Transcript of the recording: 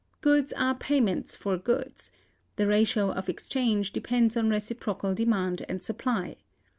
Goods are payments for goods; the ratio of exchange depends on reciprocal demand and supply.